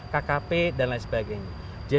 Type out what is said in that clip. kkp dan lain sebagainya